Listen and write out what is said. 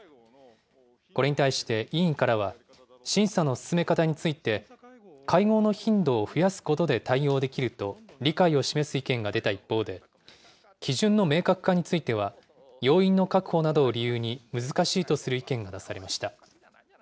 これに対して委員からは、審査の進め方について、会合の頻度を増やすことで対応できると、理解を示す意見が出た一方で、基準の明確化については、要員の確保などを理由に難しいとする意見が出されました。